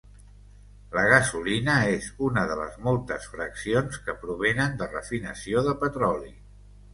La gasolina és una de les moltes fraccions que provenen de refinació de petroli.